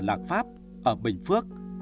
ở lạc pháp ở bình phước